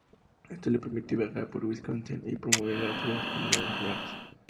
Esto le permitió viajar por Wisconsin y promover el arte en las comunidades rurales.